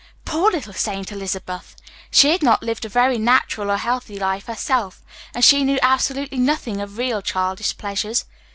Poor little Saint Elizabeth! She had not lived a very natural or healthy life herself, and she knew absolutely nothing of real childish pleasures.